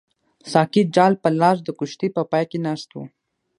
ساقي جال په لاس د کښتۍ په پای کې ناست وو.